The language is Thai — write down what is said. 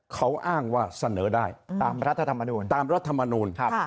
เขาอ้างว่าเสนอได้ตามรัฐธรรมนูญ